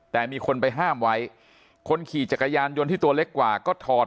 แต่มีคนไปห้ามไว้คนขี่จักรยานยนต์ที่ตัวเล็กกว่าก็ถอด